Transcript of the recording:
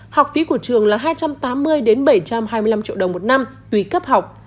học phí của trường là hai trăm tám mươi bảy trăm hai mươi năm triệu đồng một năm tùy cấp học